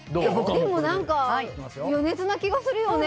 でも余熱な気がするよね？